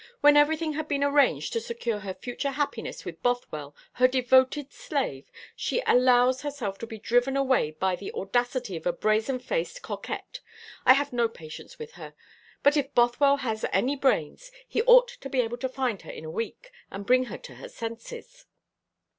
"When everything had been arranged to secure her future happiness with Bothwell, her devoted slave, she allows herself to be driven away by the audacity of a brazen faced coquette. I have no patience with her. But if Bothwell has any brains, he ought to be able to find her in a week, and bring her to her senses."